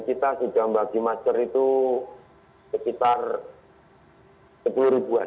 kita sudah membagi masker itu sekitar sepuluh ribuan